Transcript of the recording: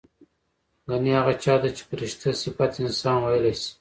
ګنې هغه چا ته چې فرشته صفت انسان وييلی شي